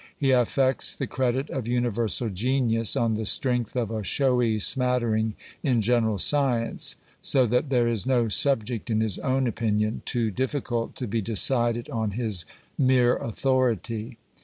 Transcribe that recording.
He affects the credit of universal genius, on the strength of a showy smattering in general sci ence ; so that there is no subject, in his own opinion, too difficult to be decided on his mere authority.